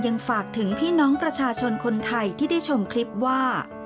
ยังฝากถึงพี่น้องประชาชนคนไทยที่ได้ชมคลิปว่า